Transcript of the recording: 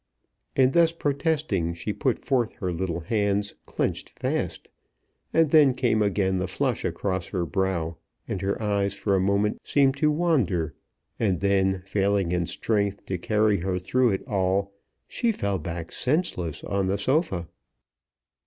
In thus protesting she put forth her little hands clenched fast, and then came again the flush across her brow, and her eyes for a moment seemed to wander, and then, failing in strength to carry her through it all, she fell back senseless on the sofa.